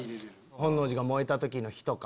本能寺が燃えた時の火とか。